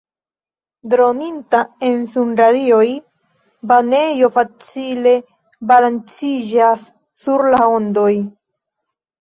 Droninta en sunradioj banejo facile balanciĝas sur la ondoj.